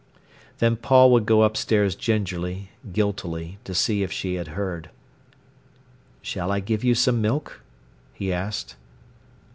Then Paul would go upstairs gingerly, guiltily, to see if she had heard. "Shall I give you some milk?" he asked.